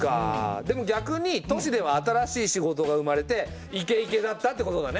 でも逆に都市では新しい仕事が生まれてイケイケだったってことだね。